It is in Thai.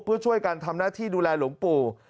เพื่อช่วยกันทำหน้าที่ดูแลหลวงปู่